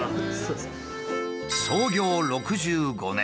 創業６５年。